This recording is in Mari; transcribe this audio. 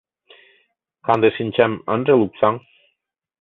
Канде шинчам Ынже лупсаҥ.